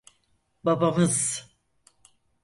Babamız…